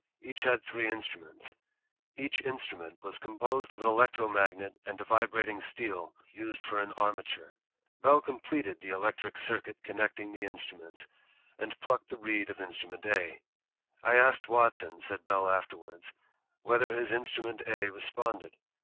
Each had three in struments. Each instrument was composed of an electro magnet and a vibrating steel used for an armature. Bell completed the electric circuit connecting the in struments, and plucked the reed of instnmient A. "I asked Watson,'' said Bell afterwards, "whether his in strument A responded.